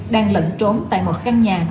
đang lận trốn tại một căn nhà